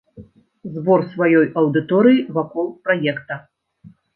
Збор сваёй аўдыторыі вакол праекта.